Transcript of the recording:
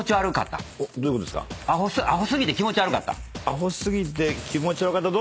アホ過ぎて気持ち悪かった。